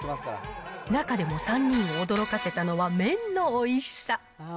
中でも３人を驚かせたのは、麺のおいしさ。